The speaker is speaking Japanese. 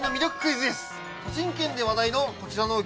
栃木県で話題のこちらの餃子。